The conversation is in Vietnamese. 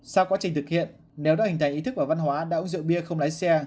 sau quá trình thực hiện nếu đã hình thành ý thức và văn hóa đã uống rượu bia không lái xe